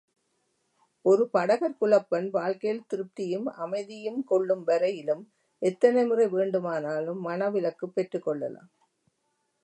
ஒரு படகர் குலப்பெண் வாழ்க்கையில் திருப்தியும், அமைதியும் கொள்ளும் வரையிலும் எத்தனை முறை வேண்டுமானாலும் மணவிலக்குப் பெற்றுக்கொள்ளலாம்.